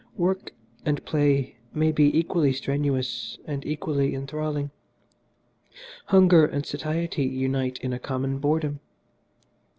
Work and play may be equally strenuous and equally enthralling. Hunger and satiety unite in a common boredom.